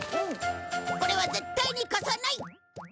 これは絶対に貸さない。